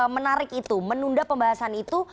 menarik itu menunda pembahasan itu